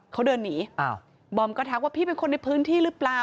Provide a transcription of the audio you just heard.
เขาเดินหนีบอมก็ทักว่าพี่เป็นคนในพื้นที่หรือเปล่า